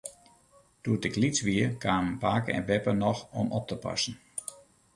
Doe't ik lyts wie, kamen pake en beppe noch om op te passen.